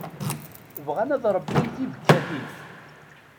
Bɣan ad ṛebbin tibekkatin.